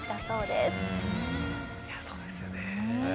そうですよね。